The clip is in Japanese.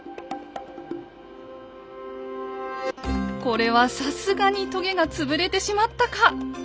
これはさすがにとげが潰れてしまったか？